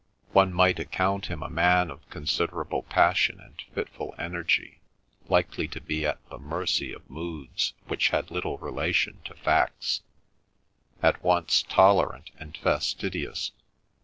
One might account him a man of considerable passion and fitful energy, likely to be at the mercy of moods which had little relation to facts; at once tolerant and fastidious.